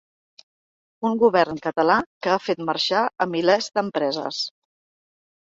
Un govern català que ha fet marxar a milers d’empreses.